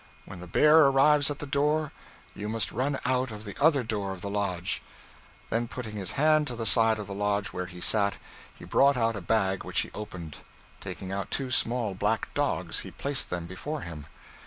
When the bear arrives at the door, you must run out of the other door of the lodge.' Then putting his hand to the side of the lodge where he sat, he brought out a bag which he opened. Taking out two small black dogs, he placed them before him.